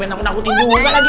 ini darurat ini penting